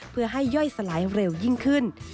เพื่อให้ย่อยสลายเร็วยิ่งขึ้น